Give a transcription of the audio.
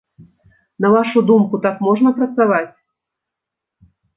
На вашу думку, так можна працаваць?